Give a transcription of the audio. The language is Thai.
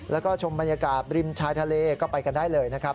แล้วก็ชมบรรยากาศริมชายทะเลก็ไปกันได้เลยนะครับ